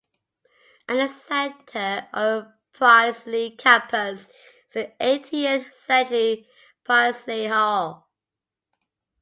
At the centre of the Priorslee Campus is the eighteenth century Priorslee Hall.